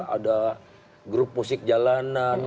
ada grup musik jalanan